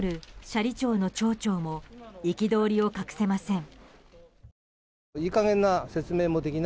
斜里町の町長も憤りを隠せません。